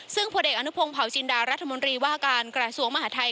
ซึ่งปัดเด็กอสผ่าวจิรินดารัฐมนตรีว่าการกราศวงศ์มหาธัย